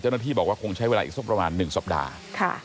เจ้าหน้าที่บอกว่าคงใช้เวลาอีกสักประมาณ๑สัปดาห์